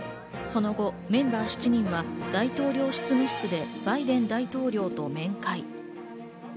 その後、メンバー７人は大統領執務室でバイデン大統領と面会。